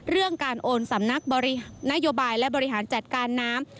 เรื่องการโอนสำนักนโยบายและบริหารจัดการน้ำ